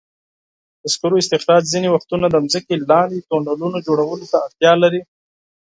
د سکرو استخراج ځینې وختونه د ځمکې لاندې د تونلونو جوړولو ته اړتیا لري.